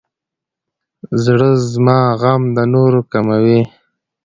زړه زما غم د نورو کوي.